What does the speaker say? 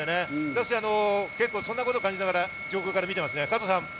私、そんなことを感じながら上空から見ています、加藤さん。